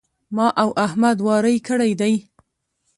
ما او احمد واری کړی دی.